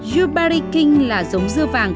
yubari king là giống dưa vàng